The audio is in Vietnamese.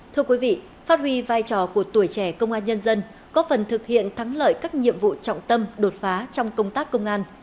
thưa quý vị phát huy vai trò của tuổi trẻ công an nhân dân có phần thực hiện thắng lợi các nhiệm vụ trọng tâm đột phá trong công tác công an